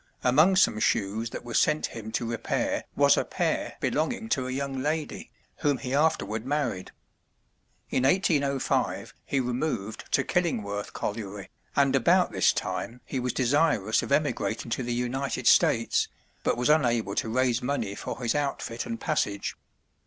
Among some shoes that were sent him to repair was a pair belonging to a young lady, whom he afterward married. In 1805 he removed to Killingworth colliery, and about this time he was desirous of emigrating to the United States, but was unable to raise money for his outfit and passage.